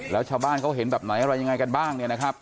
แล้วชาวบ้านเขาเห็นแบบไหนอะไรยังไงกันบ้างเนี่ยนะครับ